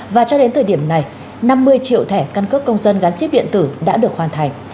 và cho đến thời điểm này năm mươi triệu thẻ căn cước công dân gắn chip điện tử đã được hoàn thành